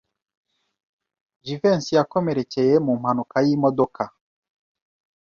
Jivency yakomerekeye mu mpanuka y'imodoka.